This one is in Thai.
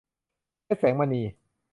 เพชร แสงมณี